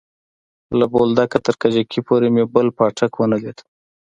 له بولدکه تر کجکي پورې مې بل پاټک ونه ليد.